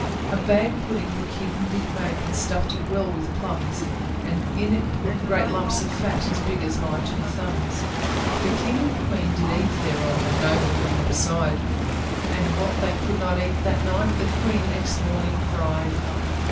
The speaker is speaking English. A bag pudding the king did make, And stuffed it well with plums; And in it put great lumps of fat, As big as my two thumbs. The king and queen did eat thereof, And noblemen beside; And what they could not eat that night, The queen next morning fried.